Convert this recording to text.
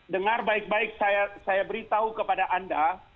dengar baik baik saya beritahu kepada anda